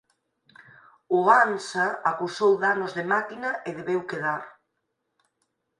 O "Hansa" acusou danos de máquina e debeu quedar.